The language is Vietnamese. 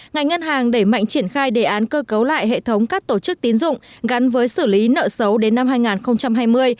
ngành ngân hàng đẩy mạnh triển khai đề án cơ cấu lại hệ thống các tổ chức tín dụng gắn với xử lý nợ xấu đến năm hai nghìn hai mươi